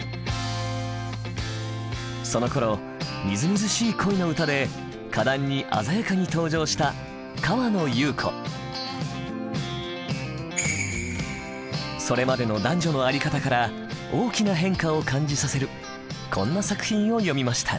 そのころみずみずしい恋の歌で歌壇に鮮やかに登場したそれまでの男女の在り方から大きな変化を感じさせるこんな作品を詠みました。